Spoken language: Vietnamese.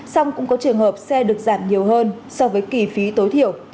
xong cũng có trường hợp xe được giảm nhiều hơn so với kỳ phí tối thiểu